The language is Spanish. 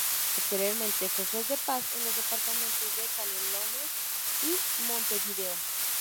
Posteriormente fue juez de paz en los departamentos de Canelones y Montevideo.